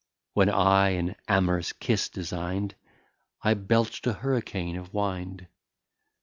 When I an amorous kiss design'd, I belch'd a hurricane of wind.